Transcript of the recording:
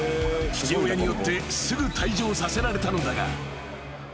［父親によってすぐ退場させられたのだが］